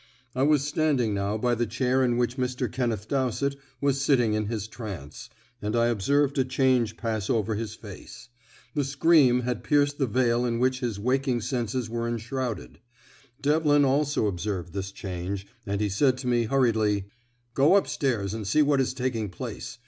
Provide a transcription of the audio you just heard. I was standing now by the chair in which Mr. Kenneth Dowsett was sitting in his trance, and I observed a change pass over his face; the scream had pierced the veil in which his waking senses were enshrouded. Devlin also observed this change, and he said to me hurriedly: "Go up stairs and see what is taking place.